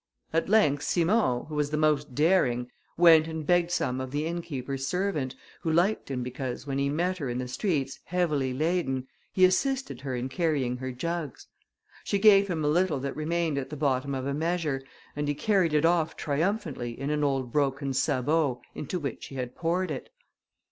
At length Simon, who was the most daring, went and begged some of the innkeeper's servant, who liked him because, when he met her in the streets, heavily laden, he assisted her in carrying her jugs. She gave him a little that remained at the bottom of a measure, and he carried it off triumphantly in an old broken sabot, into which he had poured it.